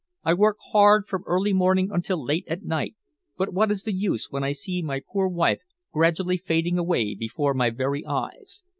I work hard from early morning until late at night, but what is the use when I see my poor wife gradually fading away before my very eyes?